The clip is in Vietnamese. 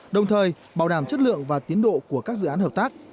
đồng thời bảo đảm chất lượng và tiến độ của các dự án hợp tác